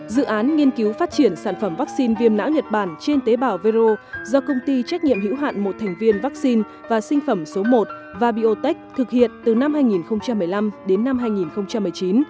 dự án nghiên cứu phát triển sản phẩm vaccine viêm não nhật bản trên tế bào vero do công ty trách nhiệm hữu hạn một thành viên vaccine và sinh phẩm số một và biotech thực hiện từ năm hai nghìn một mươi năm đến năm hai nghìn một mươi chín